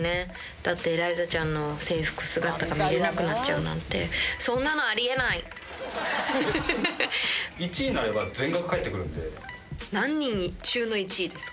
だって、エライザちゃんの制服姿が見れなくなっちゃうなんて、そんなのあ１位になれば、何人中の１位ですか？